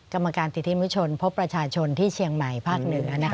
กรรมการสิทธิมุชนพบประชาชนที่เชียงใหม่ภาคเหนือ